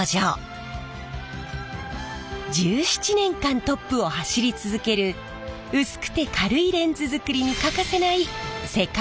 １７年間トップを走り続ける薄くて軽いレンズ作りに欠かせない世界一の技術に迫ります。